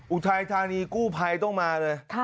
อุทัยธานีกู้ภัยต้องมาเลย